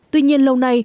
tuy nhiên lâu nay